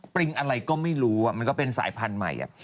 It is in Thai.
ริงอะไรก็ไม่รู้มันก็เป็นสายพันธุ์ใหม่